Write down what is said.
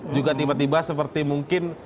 juga tiba tiba seperti mungkin